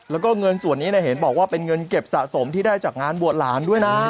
แล้วก็เงินส่วนนี้เห็นบอกว่าเป็นเงินเก็บสะสมที่ได้จากงานบวชหลานด้วยนะ